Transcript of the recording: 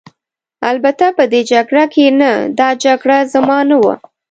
البته په دې جګړه کې نه، دا جګړه زما نه وه.